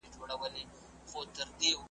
چي ناوخته به هیلۍ کله راتللې `